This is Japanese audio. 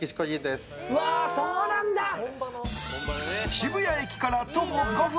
渋谷駅から徒歩５分。